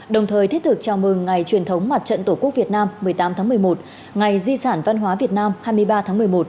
đồng thời thiết thực chào mừng ngày truyền thống mặt trận tổ quốc việt nam một mươi tám tháng một mươi một ngày di sản văn hóa việt nam hai mươi ba tháng một mươi một